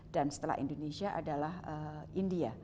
dan setelah indonesia adalah indonesia